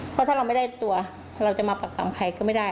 เพราะถ้าเราไม่ได้ตัวเราจะมาปรักกรรมใครก็ไม่ได้